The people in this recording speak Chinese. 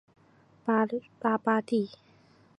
拉巴蒂。